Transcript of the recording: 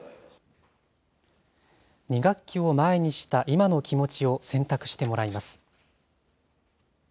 ２学期を前にした今の気持ちを選択してもらいます。